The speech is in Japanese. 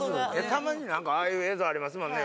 たまになんかああいう映像ありますもんね